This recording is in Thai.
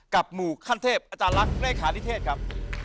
กับหมู่คันเทพอาจารย์รักแรกขาดิเทศครับ